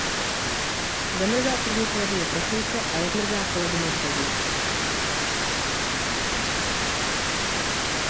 Zamrzá v první polovině prosince a rozmrzá v polovině března.